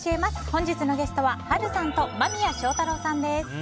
本日のゲストは波瑠さんと間宮祥太朗さんです。